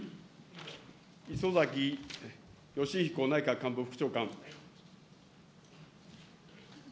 磯崎仁彦内閣官房副長官。